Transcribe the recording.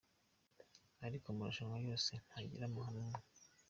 Ariko amarushanwa yose ntagira amahame amwe.